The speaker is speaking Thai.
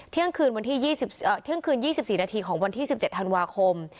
เที่ยงคืน๒๔นาทีของวันที่๑๗ธันวาคม